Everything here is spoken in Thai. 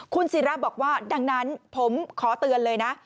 คุณศิราบอกว่าดังนั้นผมขอเตือนเลยนะ